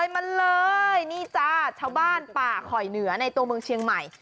มาเลยนี่จ้าชาวบ้านป่าคอยเหนือในตัวเมืองเชียงใหม่